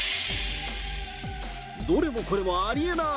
どれもこれもありえない。